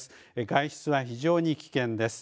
外出は非常に危険です。